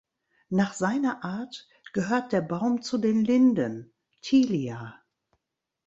Nach seiner Art gehört der Baum zu den Linden ("Tilia").